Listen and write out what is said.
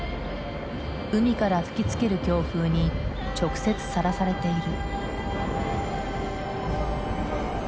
海から吹きつける強風に直接さらされている。